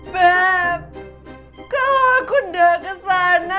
beb kalau aku ndak ke sana